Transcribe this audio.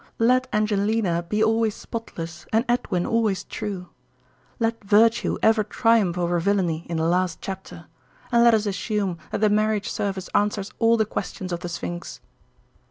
Let Angelina be always spotless and Edwin always true. Let virtue ever triumph over villainy in the last chapter; and let us assume that the marriage service answers all the questions of the Sphinx.